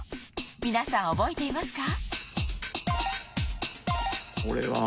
皆さん覚えていますか？